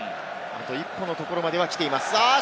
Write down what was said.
あと一歩のところまではきています。